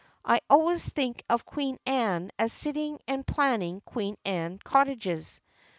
I always think of Queen Anne as sitting and planning Queen Anne cottages.